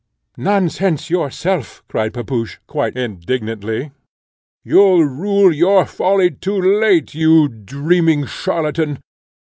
"Nonsense yourself!" cried Pepusch, quite indignant: "you'll rue your folly too late, you dreaming charlatan!